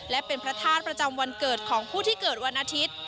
และเป็นพระธาตุประจำวันเกิดของผู้ที่เกิดวันอาทิตย์